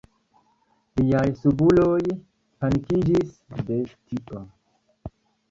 Liaj subuloj panikiĝis de tio.